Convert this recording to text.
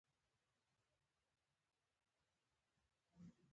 هغه غوښتل چې ساسچن لرې کړي.